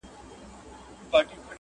شیخه څنګه ستا د حورو کیسې واورم؛